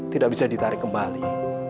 tidak bisa ditarik kembali